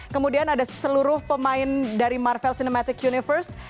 kemudian ada seluruh pemain dari marvel cinematic universe